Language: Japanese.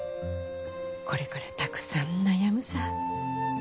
これからたくさん悩むさ。